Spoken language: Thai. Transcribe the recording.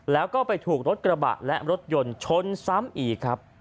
แล้วก็ไปถูกรถกระบะและรถยนต์ชนซ้ำอีกครับ